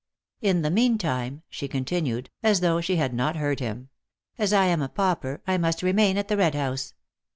"In the meantime," she continued, as though she had not heard him, "as I am a pauper, I must remain at the Red House.